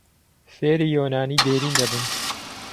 فێری یۆنانیی دێرین دەبم.